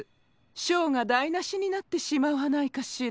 ショーがだいなしになってしまわないかシラ。